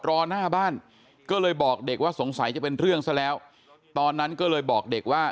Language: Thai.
รอหน้าบ้านก็เลยบอกเด็กว่าสงสัยจะเป็นเรื่องซะแล้วตอนนั้นก็เลยบอกเด็กว่า